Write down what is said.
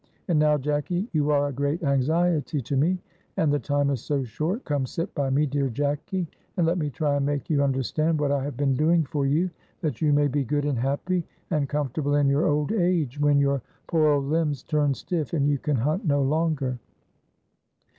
And now, Jacky you are a great anxiety to me, and the time is so short come sit by me, dear Jacky, and let me try and make you understand what I have been doing for you, that you may be good and happy, and comfortable in your old age, when your poor old limbs turn stiff, and you can hunt no longer.